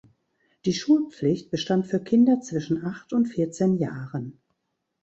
Die Schulpflicht bestand für Kinder zwischen acht und vierzehn Jahren.